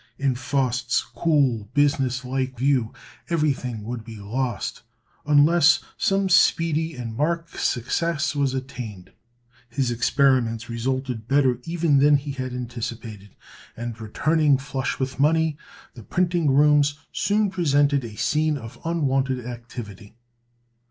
In Faust's cool, business like view, everything would be lost, unless some speedy and marked success was attained. His experiments resulted better even than he had anticipated; and returning flush with money, the printing rooms soon presented a scene of unwonted activity.